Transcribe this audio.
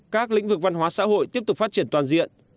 các lĩnh vực văn hóa xã hội tiếp tục phát triển toàn diện